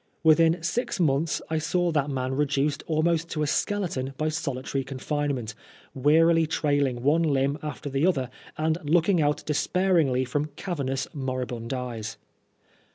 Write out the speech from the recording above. Within six months I saw that man reduced almost to a skeleton by solitary confinement, wearily trailing one limb after the other, and looking out despairingly from cavernous, moribund eyes.